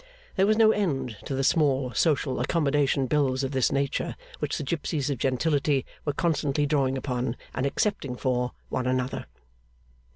There was no end to the small social accommodation bills of this nature which the gipsies of gentility were constantly drawing upon, and accepting for, one another.